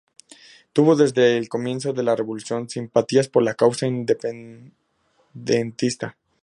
Tuvo desde el comienzo de la revolución simpatías por la causa independentista.